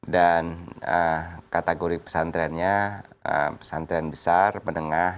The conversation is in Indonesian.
dan kategori pesantrennya pesantren besar menengah